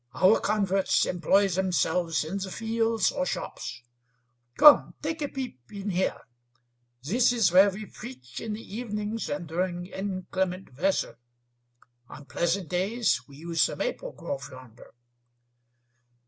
Our converts employ themselves in the fields or shops. Come; take a peep in here. This is where we preach in the evenings and during inclement weather. On pleasant days we use the maple grove yonder."